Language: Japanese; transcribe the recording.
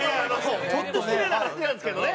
本当失礼な話なんですけどね！